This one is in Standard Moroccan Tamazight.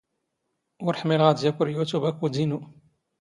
ⵓⵔ ⵃⵎⵉⵍⵖ ⴰⴷ ⵢⴰⴽⵯⵔ ⵢⵓⵜⵓⴱ ⴰⴽⵓⴷ ⵉⵏⵓ.